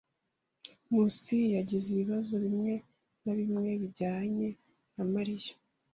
Nkusi yagize ibibazo bimwe na bimwe bijyanye na Mariya.